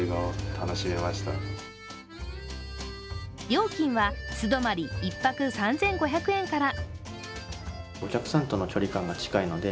料金は素泊まり１泊３５００円から。